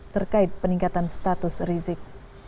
terkait peningkatan status rizik